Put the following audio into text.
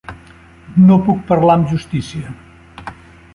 No puc parlar amb justícia.